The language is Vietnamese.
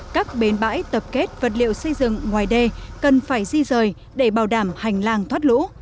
các bến bãi tập kết vật liệu xây dựng ngoài đê cần phải di rời để bảo đảm hành lang thoát lũ